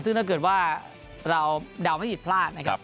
ซึ่งถ้าเกิดว่าเราเดาไม่ผิดพลาดนะครับ